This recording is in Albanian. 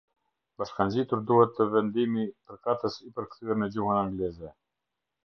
Bashkangjitur duhet të vendimi përkatës, i përkthyer në gjuhën angleze.